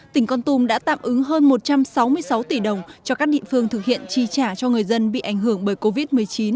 tỉnh con tum đã tạm ứng hơn một trăm sáu mươi sáu tỷ đồng cho các địa phương thực hiện chi trả cho người dân bị ảnh hưởng bởi covid một mươi chín